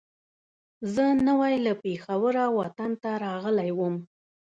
زه نوی له پېښوره وطن ته راغلی وم.